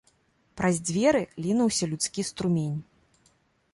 Праз дзверы лінуўся людскі струмень.